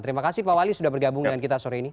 terima kasih pak wali sudah bergabung dengan kita sore ini